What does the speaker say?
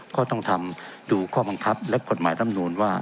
ก็ต้องทำดูข้อบังคับและกฎหมายรำนูนว่า